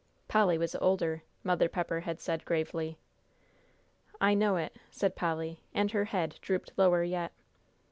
"Polly was older," Mother Pepper had said gravely. "I know it," said Polly, and her head drooped lower yet.